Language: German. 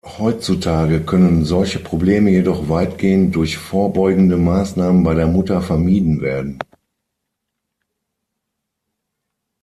Heutzutage können solche Probleme jedoch weitgehend durch vorbeugende Maßnahmen bei der Mutter vermieden werden.